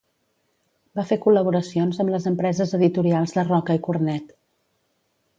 Va fer col·laboracions amb les empreses editorials de Roca i Cornet.